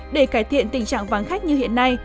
để cải thiện tình trạng vắng khách như hiện nay